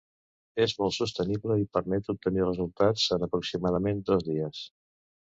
És molt sensible i permet obtenir resultats en aproximadament dos dies.